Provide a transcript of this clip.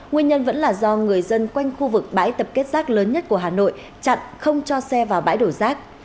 nguyên nhân vẫn là do người dân quanh khu vực bãi tập kết rác lớn nhất của hà nội chặn không cho xe vào bãi đổ rác